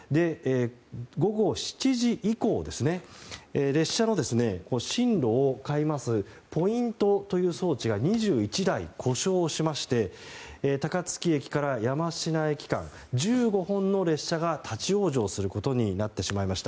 午後７時以降列車の進路を変えますポイントという装置が２１台、故障しまして高槻駅から山科駅間１５本の列車が立ち往生することになってしまいました。